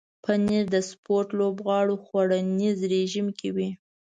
پنېر د سپورت لوبغاړو خوړنیز رژیم کې وي.